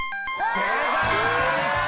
正解。